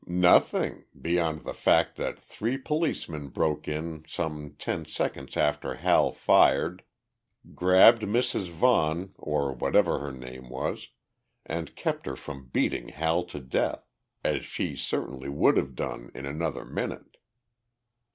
"Nothing beyond the fact that three policemen broke in some ten seconds after Hal fired, grabbed Mrs. Vaughan or whatever her name was, and kept her from beating Hal to death, as she certainly would have done in another minute.